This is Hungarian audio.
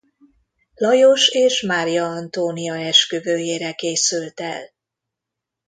Lajos és Mária Antónia esküvőjére készült el.